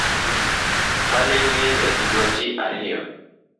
Maling’ling’ ekindwa ji ariyo